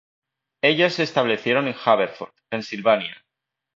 Ellos se establecieron en Haverford, Pensilvania.